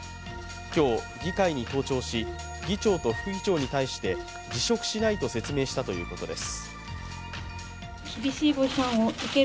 今日、議会に登庁し議長と副議長に対し辞職しないと説明したということです。